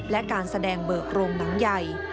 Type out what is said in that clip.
และการแสดงเบิกโรงหนังใหญ่